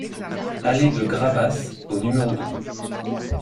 Allée de Grabasse au numéro douze